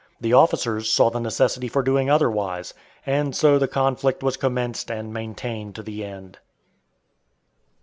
The officers saw the necessity for doing otherwise, and so the conflict was commenced and maintained to the end.